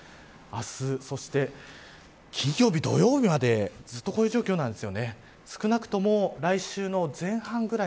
明日そして金曜日、土曜日までずっと、こういう状況なんです。